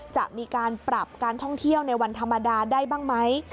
จะมีการปรับการท่องเที่ยวในวันธรรมดาได้บ้างไหม